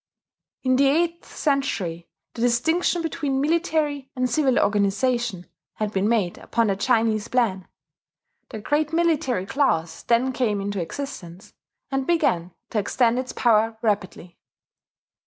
In the eighth century the distinction between military and civil organization had been made upon the Chinese plan; the great military class then came into existence, and began to extend its power rapidly.